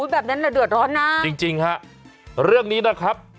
แบบนั้นน่ะเดือดร้อนนะจริงจริงฮะเรื่องนี้นะครับ